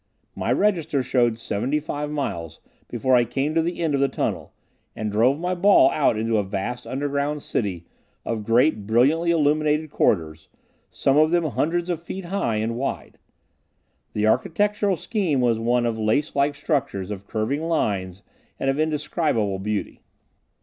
My register showed seventy five miles before I came to the end of the tunnel, and drove my ball out into a vast underground city of great, brilliantly illuminated corridors, some of them hundreds of feet high and wide. The architectural scheme was one of lace like structures of curving lines and of indescribable beauty.